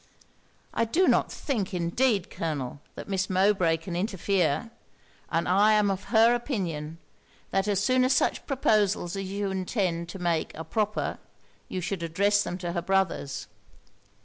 'I do not think indeed, Colonel, that Miss Mowbray can interfere; and I am of her opinion, that as soon as such proposals as you intend to make are proper, you should address them to her brothers.'